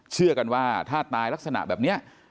เชื่อกันว่าถ้าตายลักษณะแบบนี้